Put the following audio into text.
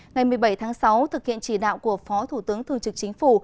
ngày một mươi bảy tháng sáu thực hiện chỉ đạo của phó thủ tướng thương trực chính phủ